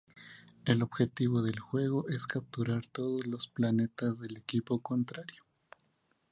El objetivo del juego es capturar todos los planetas del equipo contrario.